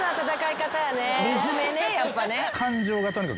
理詰めねやっぱね。